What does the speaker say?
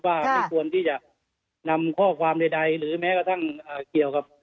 ว่าไม่ควรที่จะนำข้อความใดหรือแม้กระทั่งเกี่ยวกับ